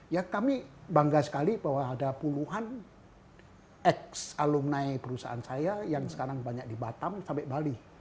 ya kami bangga sekali bahwa ada puluhan ex alumni perusahaan saya yang sekarang banyak di batam sampai bali